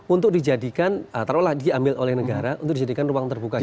untuk dijadikan taruh lagi ambil oleh negara untuk dijadikan ruang terbuka hijau